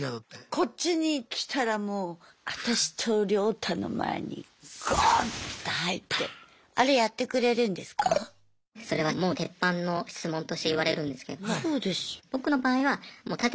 こっちに来たらもう私と亮太の前にゴーン！と入ってそれはもう鉄板の質問として言われるんですけども僕の場合は盾にはなりませんと。